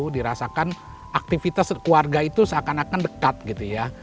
dirasakan aktivitas keluarga itu seakan akan dekat gitu ya